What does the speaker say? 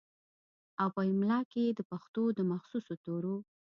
او پۀ املا کښې ئې دَپښتو دَمخصوصو تورو